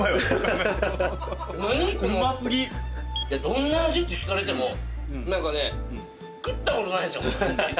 どんな味って聞かれてもなんかね食ったことないですよ